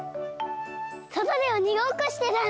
そとでおにごっこしてたんだ。